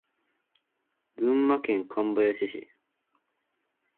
群馬県館林市